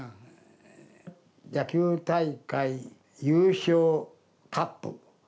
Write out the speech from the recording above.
野球大会、優勝カップ。